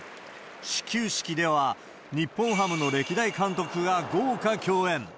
始球式では、日本ハムの歴代監督が豪華共演。